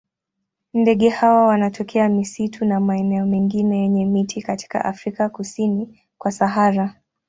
Ndege hawa wanatokea misitu na maeneo mengine yenye miti katika Afrika kusini kwa Sahara.